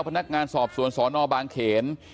พนักงานสอบสวนสนบางเขน